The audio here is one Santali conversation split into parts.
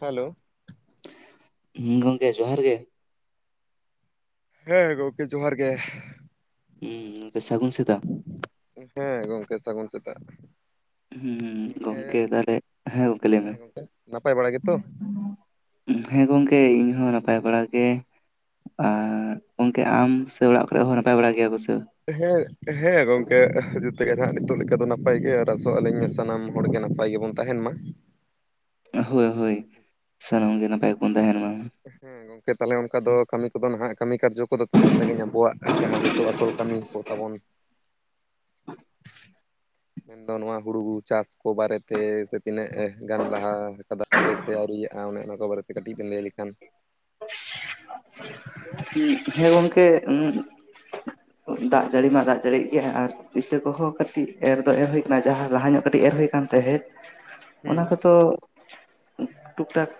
ᱦᱮᱞᱳ᱾ ᱜᱚᱝᱠᱮ ᱡᱚᱦᱟᱨ ᱜᱮ᱾ ᱦᱮᱸ ᱜᱚᱢᱠᱮ ᱡᱚᱦᱟᱨ ᱜᱮ᱾ ᱦᱩᱸ ᱝᱠᱮ ᱥᱟᱜᱩᱱ ᱥᱮᱛ ᱦᱮᱸ ᱜᱚᱝᱠᱮ ᱥᱟᱜᱩᱱ ᱥᱮᱛᱟᱜ᱾ ᱦᱩᱸ ᱜᱚᱝᱠᱮᱸ ᱜᱚᱝᱠᱮ ᱛᱟᱦᱚᱞᱮ ᱜᱚᱝᱠᱮ ᱞᱟᱹᱭ ᱢᱮ ᱦᱮᱸ ᱜᱚᱝᱠᱮ ᱱᱟᱯᱟᱭ ᱵᱟᱲᱟ ᱜᱮᱛᱚ? [inaudible] ᱦᱮᱸ ᱜᱚᱝᱠᱮ ᱤᱧᱦᱚᱸ ᱱᱟᱯᱟᱭ ᱵᱟᱲᱟ ᱜᱮ। ᱟᱨ ᱜᱚᱝᱠᱮ ᱟᱢ ᱥᱮ ᱚᱲᱟᱜ ᱠᱚᱨᱮ ᱦᱚᱸ ᱱᱟᱯᱟᱭ ᱵᱟᱲᱟ ᱜᱮᱭᱟ ᱠᱚ ᱥᱮ? ᱦᱮᱸ ᱦᱮᱸ ᱜᱚᱝᱠᱮ ᱡᱷᱚᱛᱚ ᱱᱟᱦᱟᱜ ᱱᱤᱛᱚᱜ ᱞᱮᱠᱟ ᱫᱚ ᱱᱟᱯᱟᱭ ᱜᱮ ᱟᱨ ᱟᱥᱚᱜ ᱟᱹᱞᱤᱧ ᱥᱟᱱᱟᱢ ᱦᱚᱲᱜᱮ ᱱᱟᱯᱟᱭ ᱜᱮᱵᱚᱱ ᱛᱟᱦᱮᱱ ᱢᱟ। ᱦᱳ ᱦᱳᱭ ᱥᱟᱱᱟᱢ ᱜᱮ ᱱᱟᱯᱟᱭ ᱵᱚᱱ ᱛᱟᱦᱮᱱ ᱢᱟ। ᱦᱮᱸᱜᱚᱝ ᱜᱚᱝᱠᱮ ᱛᱟᱦᱚᱞᱮ ᱚᱱᱠᱟ ᱫᱚ ᱠᱟᱹᱢᱤ ᱠᱚᱫᱚ ᱱᱟᱦᱟᱜ ᱠᱟᱢᱤ ᱠᱟᱨᱡᱚ ᱠᱚᱫᱚ ᱛᱤᱱᱟᱹᱜ ᱥᱟᱺᱜᱤᱧ ᱟᱵᱚᱣᱟᱜ ᱡᱟᱦᱟᱸ ᱱᱤᱛᱚᱜ ᱟᱥᱚᱞ ᱠᱟᱢᱤ ᱠᱚ ᱛᱟᱵᱚᱱ? ᱢᱮᱱᱫᱚ ᱱᱚᱣᱟ ᱦᱩᱲᱩ ᱵᱩᱱ ᱪᱟᱥ। ᱠᱩ ᱵᱟᱨᱮᱛᱮ ᱥᱮ ᱛᱤᱱᱟᱹᱜ ᱜᱟᱱ ᱞᱟᱦᱟ ᱠᱟᱫᱟᱯᱮ ᱥᱮ ᱟᱣᱨᱤᱭᱟᱜ-ᱟ ᱚᱱᱮ ᱚᱱᱟ ᱠᱚ ᱵᱟᱨᱮᱛᱮ ᱠᱟᱹᱴᱤᱡ? ᱵᱤᱱ ᱞᱟᱹᱭ ᱞᱮᱠᱷᱟᱱ ᱦᱮᱸ ᱜᱚᱝᱠᱮ᱾ ᱫᱟᱜ ᱡᱟᱹᱲᱤ ᱢᱟ ᱫᱟᱜ ᱡᱟᱹᱲᱤᱭᱮᱫ ᱜᱮᱭᱟ ᱟᱨ ᱤᱛᱟᱹ ᱠᱚᱦᱚᱸ ᱠᱟᱹᱴᱤᱡ ᱮᱨ ᱫᱚ ᱮᱨ ᱦᱩᱭ ᱠᱟᱱᱟ ᱡᱟᱦᱟᱸ ᱞᱟᱦᱟ ᱧᱚᱜ ᱠᱟᱴᱤᱡ ᱮᱨ ᱦᱩᱭ ᱟᱠᱟᱱ ᱛᱟᱦᱮᱸᱫ ᱦᱩᱸ ᱚᱱᱟ ᱠᱚᱫᱚ ᱴᱩᱠ ᱴᱟᱠ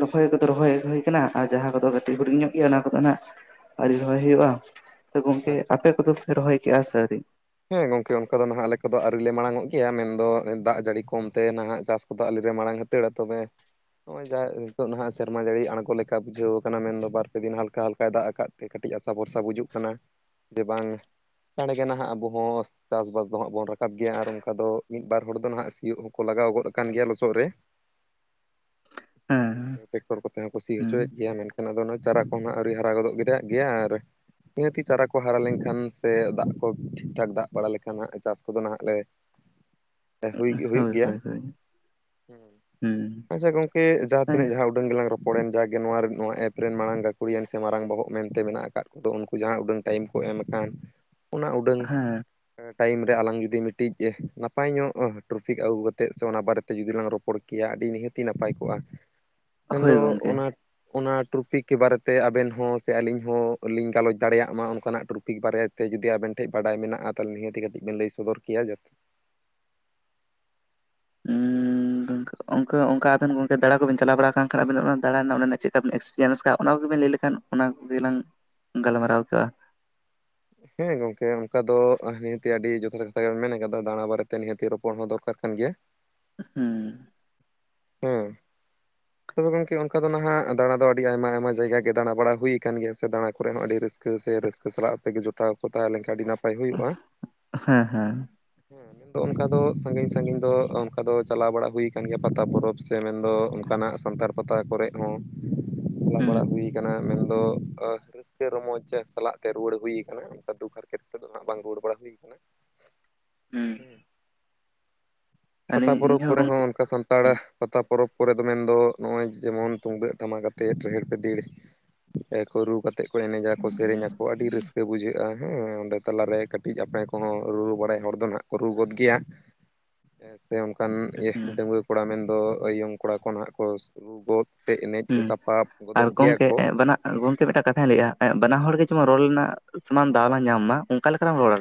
ᱨᱚᱦᱚᱭ ᱠᱚᱫᱚ ᱨᱚᱦᱚᱭ ᱟᱜᱩ ᱦᱩᱭ ᱠᱟᱱᱟ ᱾ ᱠᱟᱱᱟ ᱟᱨ ᱡᱟᱦᱟᱸ ᱠᱚᱫᱚ ᱠᱟᱹᱴᱤᱡ ᱦᱩᱰᱤᱧ ᱧᱚᱜ ᱜᱮᱭᱟ ᱚᱱᱟ ᱠᱚᱫᱚ ᱦᱟᱸᱜ ᱟᱣᱨᱤ ᱨᱚᱦᱚᱭ ᱦᱩᱭᱩᱜᱼᱟ᱾ ᱛᱚ ᱜᱚᱝᱠᱮ ᱟᱪᱪᱷᱟ ᱟᱯᱮ ᱠᱚᱫᱚ ᱯᱮ ᱨᱚᱦᱚᱭ ᱠᱮᱜᱼᱟ ᱥᱮ ᱟᱣᱨᱤ? ᱦᱮᱸ ᱜᱚᱝᱠᱮ ᱚᱱᱠᱟ ᱫᱚ ᱱᱟᱦᱟᱜ ᱟᱞᱮ ᱠᱚᱫᱚ ᱟᱹᱣᱨᱤ ᱞᱮ ᱢᱟᱲᱟᱝ ᱚᱜ ᱜᱮᱭᱟ ᱢᱮᱱᱫᱚ ᱫᱟᱜ ᱡᱟᱹᱲᱤ ᱠᱚᱢᱛᱮ ᱱᱟᱦᱟᱜ ᱪᱟᱥ ᱠᱚᱫᱚ ᱟᱞᱮ ᱨᱮ ᱢᱟᱲᱟᱝ [unintelligible] ᱛᱚᱵᱮ ᱱᱚᱜᱼᱚᱭ ᱡᱟᱦᱟᱸ ᱱᱤᱛᱳᱜ ᱱᱟᱦᱟᱜ ᱥᱮᱨᱢᱟ ᱡᱟᱹᱲᱤ ᱟᱬᱜᱚ ᱞᱮᱠᱟ ᱵᱩᱡᱷᱟᱹᱣ ᱠᱟᱱᱟ ᱢᱮᱱᱫᱚ ᱵᱟᱨ ᱯᱮ ᱫᱤᱱ ᱦᱟᱞᱠᱟ ᱦᱟᱞᱠᱟᱭ ᱫᱟᱜᱽ ᱟᱠᱟᱫ ᱛᱮ ᱠᱟᱹᱴᱤᱡ ᱟᱥᱟ ᱵᱷᱚᱨᱥᱟ ᱵᱩᱡᱩᱜ ᱠᱟᱱᱟ ᱡᱮ ᱵᱟᱝ ᱪᱟᱬᱜᱮ ᱱᱟᱦᱟᱜ ᱟᱵᱚ ᱦᱚᱸ ᱪᱟᱥᱵᱟᱥ ᱫᱚ ᱦᱟᱸᱜ ᱵᱚᱱ ᱨᱟᱠᱟᱵ ᱜᱮᱭᱟ ᱟᱨ ᱚᱱᱠᱟ ᱫᱚ ᱢᱤᱫ ᱵᱟᱨ ᱦᱚᱲ ᱫᱚ ᱱᱟᱦᱟᱜ ᱥᱤᱭᱩᱜ ᱦᱚᱸᱠᱚ ᱞᱟᱜᱟᱣ ᱜᱚᱫ ᱟᱠᱟᱱ ᱜᱮᱭᱟ ᱞᱚᱥᱚᱫ ᱨᱮ᱾ ᱦᱮᱸ ᱥᱮ᱾ ᱴᱨᱟᱠᱴᱚᱨ ᱠᱚᱛᱮ ᱦᱚᱸ ᱠᱩ ᱥᱤ ᱦᱩᱸ ᱦᱚᱪᱚᱭᱮᱫ ᱜᱮᱭᱟ ᱢᱮᱱᱠᱷᱟᱱ ᱟᱫᱚ ᱚᱱᱟ ᱪᱟᱨᱟ ᱠᱚᱦᱟᱸᱜ ᱟᱹᱣᱨᱤ ᱦᱟᱨᱟ ᱜᱚᱫᱚᱜ ᱜᱮᱫᱚ ᱜᱮᱭᱟ ᱟᱨ ᱱᱤᱦᱟᱹᱛᱤ ᱪᱟᱨᱟ ᱠᱚ ᱦᱟᱨᱟ ᱞᱮᱱᱠᱷᱟᱱ ᱥᱮ ᱫᱟᱜᱽ ᱠᱚ ᱴᱷᱤᱠᱼᱴᱷᱟᱠ ᱫᱟᱜᱽ ᱵᱟᱲᱟ ᱞᱮᱠᱷᱟᱱ ᱪᱟᱥ ᱠᱚᱫᱚ ᱱᱟᱦᱟᱸᱜ ᱞᱮ ᱦᱩᱭ ᱦᱩᱭᱩᱜ ᱦᱳᱭ ᱜᱮᱭᱟ᱾ ᱦᱳᱭ ᱦᱳᱭ ᱦᱩᱸ ᱟᱪᱪᱷᱟ ᱜᱚᱝᱠᱮ ᱡᱟᱦᱟᱸ ᱦᱮᱸ ᱛᱤᱱᱟᱹᱜ ᱡᱟᱦᱟᱸ ᱩᱰᱟᱹᱝ ᱜᱮᱞᱟᱝ ᱨᱚᱯᱚᱲᱮᱱ ᱡᱟᱜᱮ ᱱᱚᱣᱟ ᱱᱚᱣᱟ ᱮᱯ ᱨᱮᱱ ᱢᱟᱲᱟᱝ ᱜᱟᱹᱠᱷᱲᱤᱭᱟᱹᱮᱱ ᱥᱮ ᱢᱟᱨᱟᱝ ᱵᱚᱦᱚᱜ ᱢᱮᱱᱛᱮ ᱢᱮᱱᱟᱜ ᱟᱠᱟᱫ ᱫᱚ ᱩᱱᱠᱩ ᱡᱟᱦᱟᱸ ᱩᱰᱟᱹᱝ ᱴᱟᱭᱤᱢ ᱠᱚ ᱮᱢ ᱟᱠᱟᱱ, ᱚᱱᱟ ᱩᱰᱟᱹᱝ ᱴᱟᱭᱤᱢ ᱨᱮ ᱟᱞᱟᱝ ᱡᱩᱫᱤ ᱢᱤᱫᱴᱤᱡ ᱱᱟᱯᱟᱭ ᱧᱚᱜ ᱴᱨᱚᱯᱤᱠ ᱟᱹᱜᱩ ᱠᱟᱛᱮᱫ ᱥᱮ ᱚᱱᱟ ᱵᱟᱨᱮᱛᱮ ᱡᱩᱫᱤ ᱞᱝ ᱨᱚᱯᱚᱲ ᱠᱮᱭᱟ ᱟᱹᱰᱤ ᱱᱤᱦᱟᱹᱛᱤ ᱱᱟᱯᱟᱭ ᱠᱚᱜᱼᱟ, ᱦᱳᱭ ᱢᱮᱱᱫᱚ ᱜᱚᱝᱠᱮ ᱚᱱᱟ ᱚᱱᱟ ᱴᱨᱯᱤᱠ ᱠᱚ ᱵᱟᱨᱮᱛᱮ ᱟᱵᱮᱱ ᱦᱚᱸ ᱥᱮ ᱟᱹᱞᱤᱧ ᱦᱚᱸᱞᱤᱧ ᱜᱟᱞᱚᱪ ᱫᱟᱲᱮᱭᱟᱜ ᱢᱟ ᱚᱱᱠᱟᱱᱟᱜ ᱴᱨᱚᱯ ᱯᱤᱠ ᱵᱟᱨᱮᱛᱮ ᱡᱩᱫᱤ ᱟᱵᱮᱱ ᱴᱷᱮᱱ ᱵᱟᱰᱟᱭ ᱢᱮᱱᱟᱜ ᱟᱨ ᱛᱟᱦᱞᱮ ᱱᱤᱦᱟᱹᱛᱤ ᱠᱟᱹᱴᱤᱡ ᱵᱮᱱ ᱞᱟᱹᱭ ᱥᱚᱫᱚᱨ ᱠᱮᱭᱟ ᱡᱟ ᱦᱩᱸ ᱜᱚᱝᱠᱮ᱾ ᱚᱱᱠᱟ ᱚᱱᱠᱟ ᱟᱵᱮᱱ ᱜᱚᱝᱠᱮ ᱫᱟᱲᱟᱱ ᱠᱚᱵᱮᱱ ᱪᱟᱞᱟᱣ ᱵᱟᱲᱟ ᱠᱟᱱ ᱠᱷᱟᱱ ᱟᱵᱱᱟᱜ ᱚᱱᱟ ᱫᱟᱲᱟᱱ ᱨᱮᱱᱟᱜ ᱚᱱᱟ ᱨᱮᱱᱟᱜ ᱪᱤᱠᱟᱵᱤᱱ ᱮᱠᱥᱯᱤᱭᱮᱱᱥ ᱠᱟᱜ ᱚᱱᱟ ᱜᱮᱵᱤᱱ ᱞᱟᱹᱭ ᱞᱮᱠᱷᱟᱱ᱾ ᱚᱱᱟ ᱠᱚᱜᱮᱞᱟᱝ, ᱜᱟᱞᱢᱟᱨᱟᱣ ᱠᱟᱹᱜᱼᱟ᱾ ᱦᱮᱸ ᱜᱚᱝᱠᱮ ᱚᱱᱠᱟ ᱫᱚ ᱱᱤᱦᱟᱹᱛᱤ ᱟᱹᱰᱤ ᱡᱚᱛᱷᱟᱛ ᱠᱟᱛᱷᱟ ᱜᱮ ᱢᱮᱱ ᱠᱟᱫᱟ ᱫᱟᱬᱟ ᱵᱟᱨᱮᱛᱮ ᱱᱤᱦᱟᱹᱛᱤ ᱨᱚᱯᱚᱲ ᱦᱚᱸ ᱫᱚᱨᱠᱟᱨ ᱠᱟᱱ ᱜᱮᱭᱟ᱾ ᱦᱩᱸ᱾ ᱦᱮᱸ᱾ ᱛᱚᱵᱮ ᱜᱚᱝᱠᱮ ᱚᱱᱠᱟ ᱫᱚ ᱱᱟᱦᱟᱜ ᱫᱟᱬᱟ ᱫᱚ ᱟᱹᱰᱤ ᱟᱭᱢᱟ ᱟᱭᱢᱟ ᱡᱟᱭᱜᱟ ᱜᱮ ᱫᱟᱬᱟ ᱵᱟᱲᱟ ᱦᱩᱭ ᱠᱟᱱ ᱜᱮᱭᱟ ᱥᱮ ᱫᱟᱬᱟ ᱠᱚᱨᱮ ᱦᱚᱸ ᱟᱹᱰᱤ ᱨᱟᱹᱥ ᱠᱟᱹ ᱥᱮ ᱨᱟᱹᱥᱠᱟᱹ ᱥᱟᱞᱟᱜ ᱛᱮᱜᱮ ᱡᱚᱴᱟᱣ ᱠᱚ ᱛᱟᱦᱮᱸ ᱞᱮᱱᱠᱷᱟᱱ ᱟᱹᱰᱤ ᱱᱟᱯᱟᱭ ᱦᱩᱭᱩᱜᱼᱟ᱾ ᱦᱮᱸ ᱦᱮᱸ ᱦᱮ᱾ ᱫᱚ ᱚᱱᱠᱟ ᱫᱚ ᱥᱟᱺᱜᱤᱧ ᱥᱟᱺᱜᱤᱧ ᱫᱚ ᱚᱱᱠᱟ ᱫᱚ ᱪᱟᱞᱟᱣ ᱵᱟᱲᱟᱜ ᱦᱩᱭ ᱠᱟᱱ ᱜᱮᱭᱟ ᱯᱟᱛᱟ ᱯᱚᱨᱚᱵᱽ ᱥᱮ ᱢᱮᱱᱫᱚ ᱚᱱᱠᱟᱱᱟᱜ ᱥᱟᱱᱛᱟᱲ ᱯᱟᱛᱟ ᱠᱚᱨᱮᱜ ᱦᱚᱸ, ᱪᱟᱞᱟᱣ ᱵᱟᱲᱟ ᱦᱩᱸ ᱦᱩᱭ ᱠᱟᱱᱟ ᱢᱮᱱᱫᱚ ᱨᱟᱹᱥᱠᱟᱹ ᱨᱚᱢᱚᱡ ᱥᱟᱞᱟᱜ ᱛᱮ ᱨᱩᱣᱟᱹᱲ ᱦᱩᱭ ᱠᱟᱱᱟ, ᱚᱱᱠᱟ ᱫᱩᱠ ᱦᱟᱨᱠᱮᱛ ᱛᱮᱫᱚ ᱦᱟᱸᱜ ᱵᱟᱝ ᱨᱩᱣᱟᱹᱲ ᱵᱟᱲᱟ ᱦᱩᱭ ᱠᱟᱱᱟ᱾ ᱦᱩᱸ᱾ ᱯᱟᱛᱟ ᱟᱹᱞᱤᱧ ᱯᱚᱨᱚᱵᱽ ᱤᱧᱦᱚᱸ ᱠᱚᱨᱮ ᱜᱚᱝᱠᱮ ᱦᱚᱸ ᱚᱱᱠᱟ ᱥᱟᱱᱛᱟᱲ, ᱯᱟᱛᱟ ᱯᱚᱨᱚᱵᱽ ᱠᱚᱨᱮ ᱫᱚ ᱢᱮᱱᱫᱚ ᱱᱚᱜᱼᱚᱭ ᱡᱮᱢᱚᱱ ᱛᱩᱢᱫᱟᱹᱜ ᱴᱟᱢᱟᱠ ᱟᱛᱮᱫ ᱨᱮᱦᱮᱲ ᱯᱮᱫᱤᱲ, ᱠᱚ ᱨᱩ ᱠᱟ ᱛᱮᱫ ᱠᱚ ᱮᱱᱮᱡ ᱟᱠᱚ ᱥᱮᱨᱮᱧ ᱟ ᱠᱚ ᱟᱹᱰᱤ ᱨᱟᱹᱥᱠᱟᱹ ᱵᱩᱡᱷᱟᱹᱜᱼᱟ ᱦᱮᱸ ᱚᱸᱰᱮ ᱛᱟᱞᱟᱨᱮ ᱠᱟᱹᱴᱤᱡ ᱟᱯᱲᱮ ᱠᱚᱦᱚᱸ ᱨᱩᱨᱩ ᱵᱟᱲᱟᱭ ᱦᱚᱲ ᱫᱚ ᱱᱟᱦᱟᱜ ᱠᱚ ᱨᱩ ᱜᱚᱫ ᱜᱮᱭᱟ, ᱦᱮᱸ ᱥᱮ ᱚᱱᱠᱟᱱ ᱤᱭᱟᱹ ᱦᱩᱸ ᱰᱟᱺᱜᱣᱟᱹ ᱠᱚᱲᱟ ᱢᱮᱱᱫᱚ ᱟᱹ ᱤᱭᱚᱝ ᱠᱚᱲᱟ ᱠᱚ ᱱᱟᱦᱟᱜ ᱠᱚ ᱨᱩ ᱜᱚᱫ ᱥᱮ ᱮᱱᱮᱡ ᱦᱩᱸ ᱥᱟᱯᱟᱯ ᱜᱚᱫᱚᱜ ᱜᱮᱭᱟ ᱜᱚᱝᱠᱮ ᱠᱚ᱾ ᱵᱟᱱᱟ ᱟᱨ ᱜᱚᱝᱠᱮ ᱢᱤᱫᱴᱟᱝ ᱠᱟᱛᱷᱟᱧ ᱞᱟᱹᱭᱮᱜ-ᱟ, ᱟᱭᱟᱜ ᱵᱟᱱᱟ ᱦᱚᱲ ᱜᱮ ᱡᱮᱢᱚᱱ ᱨᱚᱲ ᱨᱮᱱᱟᱜ ᱥᱚᱢᱟᱱ ᱫᱟᱣ ᱞᱟᱝ ᱧᱟᱢ ᱢᱟ ᱚᱝᱠᱟ. ᱞᱮᱠᱟ ᱞᱟᱢ ᱨᱚᱲᱟ᱾